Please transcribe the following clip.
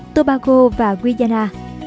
tobago và guyana